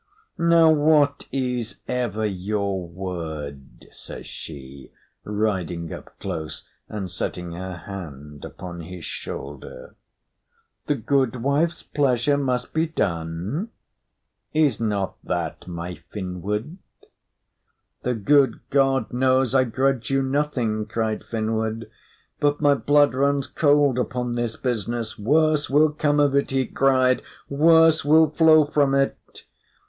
"Now what is ever your word?" says she, riding up close and setting her hand upon his shoulder. "'The goodwife's pleasure must be done'; is not that my Finnward?" "The good God knows I grudge you nothing," cried Finnward. "But my blood runs cold upon this business. Worse will come of it!" he cried, "worse will flow from it!"